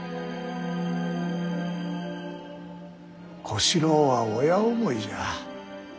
小四郎は親思いじゃ。